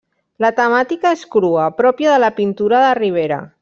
La temàtica és crua, pròpia de la pintura de Ribera.